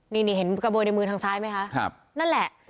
นี่นี่เห็นกระโบยในมือทางซ้ายไหมคะนั่นแหละ